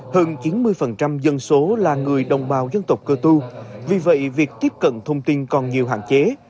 hơn chín mươi dân số là người đồng bào dân tộc cơ tu vì vậy việc tiếp cận thông tin còn nhiều hạn chế